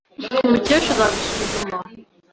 Mukesha azabisuzuma.